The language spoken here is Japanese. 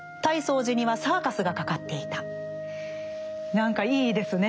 何かいいですねえ。